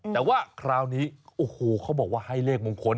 แต่ว่าคราวนี้โอ้โหเขาบอกว่าให้เลขมงคล